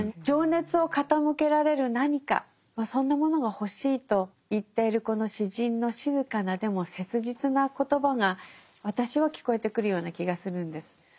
情熱を傾けられる何かそんなものが欲しいと言っているこの詩人の静かなでも切実な言葉が私は聞こえてくるような気がするんです。